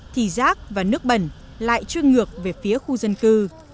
thì rác và nước bẩn lại chuyên ngược về phía khu dân cư